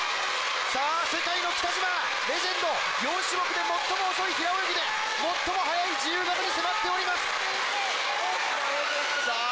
さあ世界の北島レジェンド４種目で最も遅い平泳ぎで最も速い自由形に迫っておりますさあ